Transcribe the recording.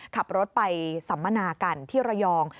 ขับรถไปสัมมนากันที่ระยอง